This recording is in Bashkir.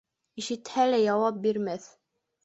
Ишетһә лә, яуап бирмәҫ.